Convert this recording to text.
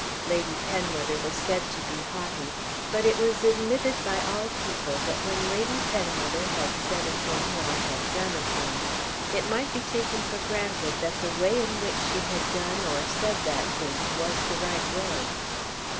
Lady Penwether was said to be haughty, but it was admitted by all people that when Lady Penwether had said a thing or had done a thing, it might be taken for granted that the way in which she had done or said that thing was the right way.